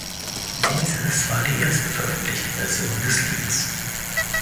Dieses war die erste veröffentlichte Version des Lieds.